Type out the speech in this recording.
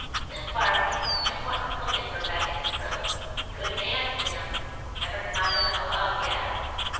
"Sim Barkis, him what's cookin' for Beckett's crew." "Good man, Sim. Never caught him in a lie yet.